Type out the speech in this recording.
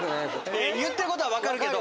言ってることは分かるけど。